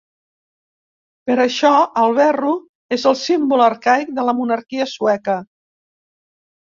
Per això el verro és el símbol arcaic de la monarquia sueca.